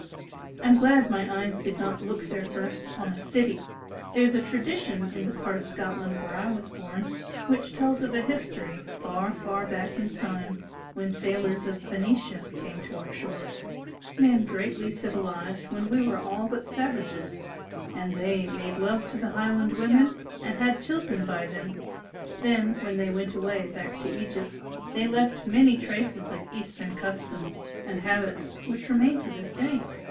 I'm glad my eyes did not look their first on a city! There's a tradition in the part of Scotland where I was born which tells of a history far far back in time when sailors from Phoenicia came to our shores, men greatly civilised when we all were but savages, and they made love to the Highland women and had children by them, then when they went away back to Egypt they left many traces of Eastern customs and habits which remain to this day.